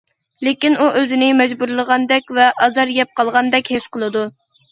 لېكىن ئۇ ئۆزىنى مەجبۇرلىغاندەك ۋە ئازار يەپ قالغاندەك ھېس قىلىدۇ.